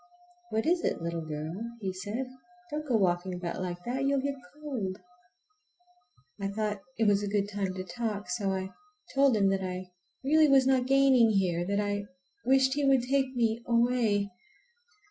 "What is it, little girl?" he said. "Don't go walking about like that—you'll get cold." I thought it was a good time to talk, so I told him that I really was not gaining here, and that I wished he would take me away.